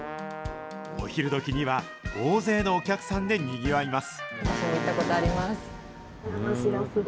お昼どきには、大勢のお客さんでにぎわいます。